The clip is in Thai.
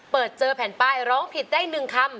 เปิดเจอแผ่นป้ายร้องผิดได้๑คำ